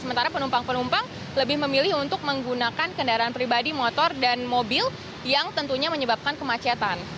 sementara penumpang penumpang lebih memilih untuk menggunakan kendaraan pribadi motor dan mobil yang tentunya menyebabkan kemacetan